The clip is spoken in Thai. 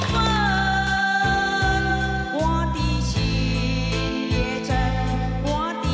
ธรรมกับหัวใจฉัน